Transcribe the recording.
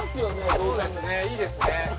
そうですねいいですね。